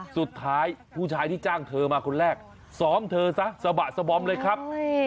สุดท้ายผู้ชายที่จ้างเธอมาคนแรกซ้อมเธอซะสบะสะบอมเลยครับ